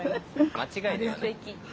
間違いではない。